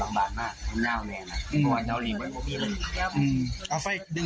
ต้องทำก็ได้เราทราบรอยน้ำออกไป